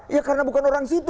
ya karena bukan orang situ